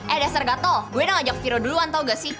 eh dasar gatol gue udah ngajak viro duluan tau gak sih